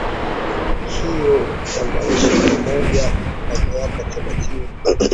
hiyo ya maisha pamoja na miaka thelathini